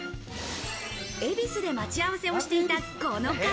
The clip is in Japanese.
恵比寿で待ち合わせをしていたこの方。